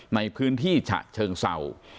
ในพื้นที่ฉะเชิงเศร้า